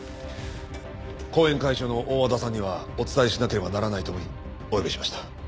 後援会長の大和田さんにはお伝えしなければならないと思いお呼びしました。